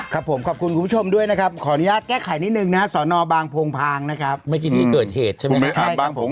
ครับผมขอบคุณคุณผู้ชมด้วยนะครับขออนุญาตแก้ไขนิดนึงนะฮะสอนอบางโพงพางนะครับเมื่อกี้ที่เกิดเหตุใช่ไหมใช่ครับผม